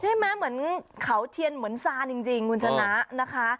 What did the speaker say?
เหมือนเขาเทียนเหมือนซานจริงคุณชนะนะคะ